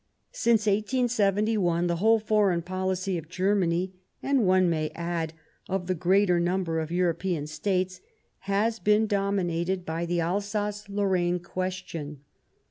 Since 1871 the whole foreign policy of Germany, and one may add of the greater number of Euro pean States, has been dominated by the Alsace Lorraine question.